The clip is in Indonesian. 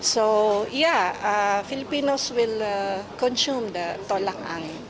jadi ya filipinos akan mengambil tolak angin